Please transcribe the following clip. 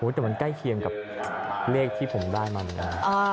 แต่มันใกล้เคียงกับเลขที่ผมได้มานาน